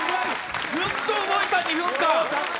ずっと動いた２分間。